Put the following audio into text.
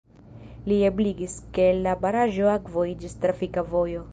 Ili ebligis, ke el la baraĵo akvo iĝis trafika vojo.